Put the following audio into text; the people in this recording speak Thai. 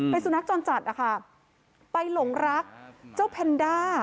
เป็นสุนัขจรจัดนะคะไปหลงรักเจ้าแพนด้า